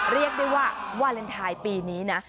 เรียกได้ว่าวาเลนไทยปีนี้นะ